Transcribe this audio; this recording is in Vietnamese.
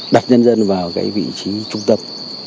đặt nhân dân vào cái vị trí trung tâm